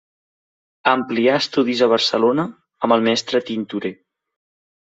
Amplià estudis a Barcelona amb el mestre Tintorer.